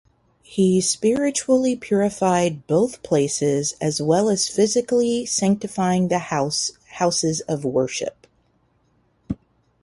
He spiritually purified both places as well as physically sanctifying the houses of worship.